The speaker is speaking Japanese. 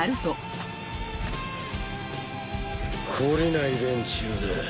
懲りない連中だ。